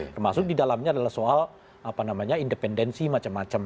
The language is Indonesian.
termasuk di dalamnya adalah soal independensi macam macam